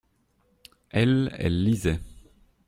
Elles, elles lisaient.